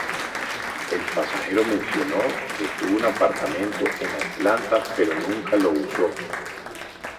El pasajero mencionó que tuvo un apartamento en Atlanta pero nunca lo usó.